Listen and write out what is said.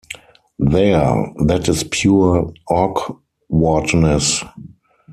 There, that is pure awkwardness!